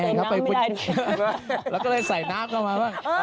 เราก็เลยใส่น้ำเข้ามาบ้าง